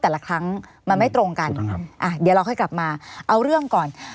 แต่ละครั้งมันไม่ตรงกันเดี๋ยวเราค่อยกลับมาเอาเรื่องก่อน